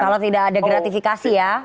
kalau tidak ada gratifikasi ya